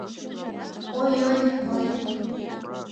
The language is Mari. Ой, ой, колем!